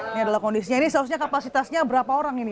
ini adalah kondisinya ini seharusnya kapasitasnya berapa orang ini